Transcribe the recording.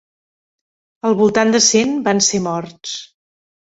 Al voltant de cent van ser morts.